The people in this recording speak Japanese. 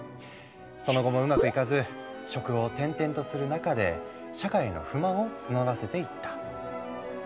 その後もうまくいかず職を転々とする中で社会への不満を募らせていった。